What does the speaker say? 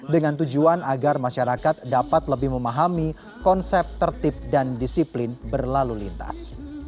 dengan tujuan agar masyarakat dapat lebih memahami konsep tertib dan disiplin berlalu lintas